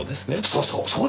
そうそう！